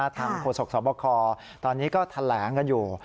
ทางโฆษกสอบบัคคอร์ตอนนี้ก็แถลงกันอยู่